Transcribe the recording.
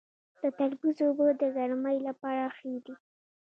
د تربوز اوبه د ګرمۍ لپاره ښې دي.